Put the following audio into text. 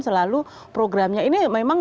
selalu programnya ini memang